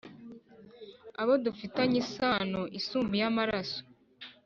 abo dufitanye isano isumba iy’amaraso